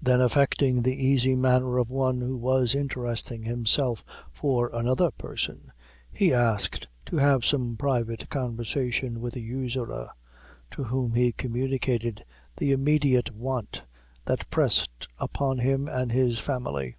Then affecting the easy manner of one who was interesting himself for another person, he asked to have some private conversation with the usurer, to whom he communicated the immediate want that pressed upon him and his family.